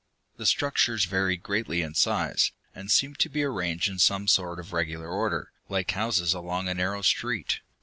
The structures varied greatly in size, and seemed to be arranged in some sort of regular order, like houses along a narrow street.